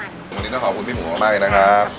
วันนี้ต้องขอบคุณพี่หมูมากนะครับ